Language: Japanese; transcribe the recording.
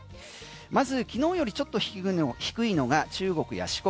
まず昨日よりちょっと低いのが中国や四国